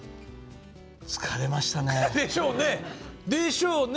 疲れましたね。でしょうねでしょうね！